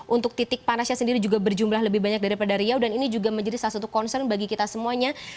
untuk titik panasnya sendiri juga berjumlah lebih banyak daripada riau dan ini juga menjadi salah satu concern bagi kita semuanya